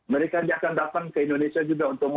mereka akan datang ke indonesia juga untuk